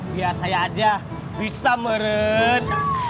biar saya aja bisa mered